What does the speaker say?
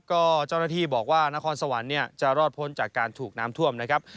ก็เจ้าหน้าที่บอกว่านครสวรรค์เนี่ยจะรอดพ้นจากการถูกน้ำท่วมนะครับ